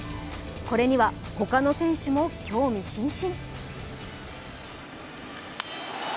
これには他の選手も興味津々。